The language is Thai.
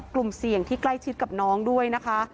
กลุ่มเสี่ยงที่ใกล้ชิดกับน้องด้วยนะคะ